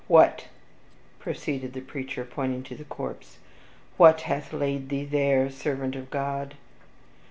"What," proceeded the preacher, pointing to the corse, "what hath laid thee there, servant of God?"